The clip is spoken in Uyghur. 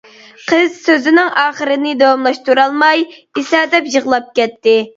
قىز سۆزىنىڭ ئاخىرىنى داۋاملاشتۇرالماي ئېسەدەپ يىغلاپ كەتتى.